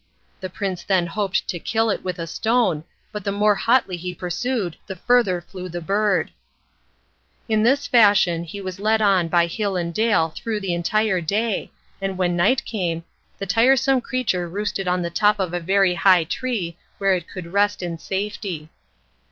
The prince then hoped to kill it with a stone, but the more hotly he pursued the further flew the bird. In this fashion he was led on by hill and dale through the entire day, and when night came the tiresome creature roosted on the top of a very high tree where it could rest in safety.